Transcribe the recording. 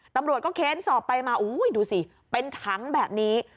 ตำรวจก็เค้นสอบไปมาดูสิเป็นถังแบบนี้